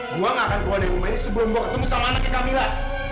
gue gak akan keluar dari rumah ini sebelum gue ketemu sama anaknya camilan